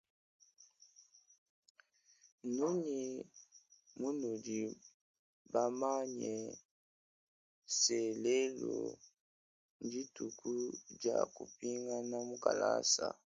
Mnunyi munudi bamanye se lelu ndituku dia kupingana mukalasa.